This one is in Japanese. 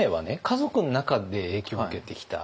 家族の中で影響を受けてきた。